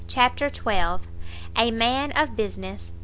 CHAPTER xii. A MAN OF BUSINESS.